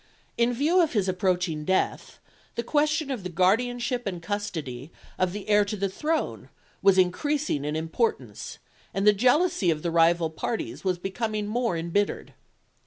In view of his approaching death the question of the guardianship and custody of the heir to the throne was increasing in importance and the jealousy of the rival parties was becoming more embittered.